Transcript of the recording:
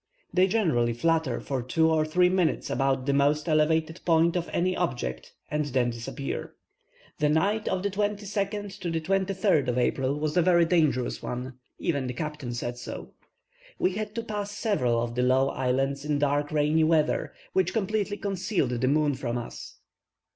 They generally flutter for two or three minutes about the most elevated point of any object, and then disappear. The night of the 22nd to the 23rd of April was a very dangerous one; even the captain said so. We had to pass several of the low islands in dark rainy weather, which completely concealed the moon from us.